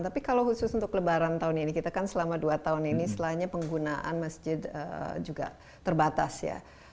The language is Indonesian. tapi kalau khusus untuk lebaran tahun ini kita kan selama dua tahun ini selainnya penggunaan masjid juga terbatas ya